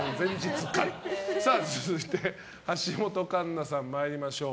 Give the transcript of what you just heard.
続いて、橋本環奈さん参りましょう。